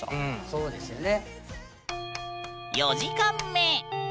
そうですよね。